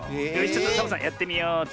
ちょっとサボさんやってみようっと。